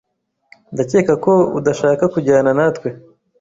Ndakeka ko udashaka kujyana natwe.